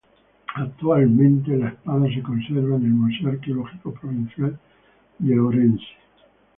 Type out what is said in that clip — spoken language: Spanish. Actualmente, la espada se conserva en el Museo Arqueológico Provincial de Orense.